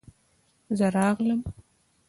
زه راغلم.